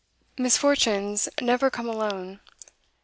Misfortunes never come alone.